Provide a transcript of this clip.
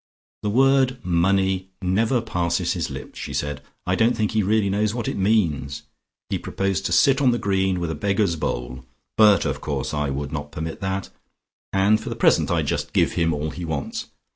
"The word 'money' never passes his lips," she said. "I don't think he really knows what it means. He proposed to sit on the green with a beggar's bowl but of course I would not permit that, and for the present I just give him all he wants.